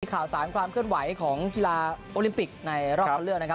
ข่าวสารความเคลื่อนไหวของกีฬาโอลิมปิกในรอบคันเลือกนะครับ